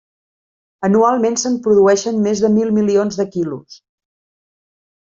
Anualment se'n produeixen més de mil milions de quilos.